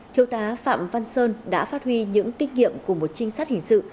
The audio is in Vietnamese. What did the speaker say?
thiêu tá phạm văn sơn đã phát huy những kinh nghiệm của một trinh sát hình sự